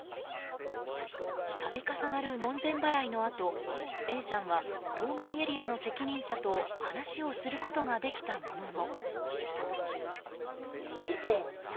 度重なる門前払いのあとＡさんは当該エリアの責任者と話をすることができたものの。